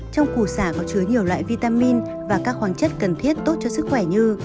trong củ xả có chứa nhiều loại vitamin và các khoáng chất cần thiết tốt cho sức khỏe như